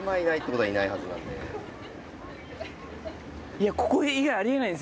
いやここ以外あり得ないんすよ。